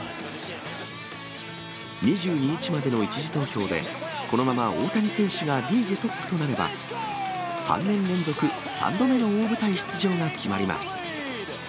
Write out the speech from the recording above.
２２日までの１次投票で、このまま大谷選手がリーグトップとなれば、３年連続３度目の大舞台出場が決まります。